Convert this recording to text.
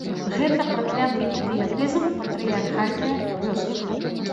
Гэта пракляты ідыятызм патрыярхальнае вёскі.